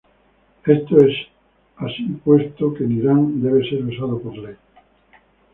Esto es así puesto que en Irán debe ser usado por ley.